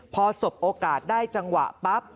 พอสบโอกาสได้จังหวะปั๊บ